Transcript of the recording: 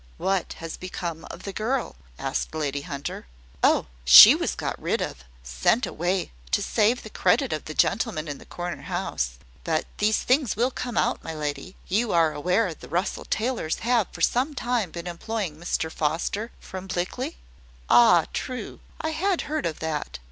"What has become of the girl?" asked Lady Hunter. "Oh, she was got rid of sent away to save the credit of the gentleman in the corner house. But these things will come out, my lady. You are aware that the Russell Taylors have for some time been employing Mr Foster, from Blickley?" "Ah, true! I had heard of that."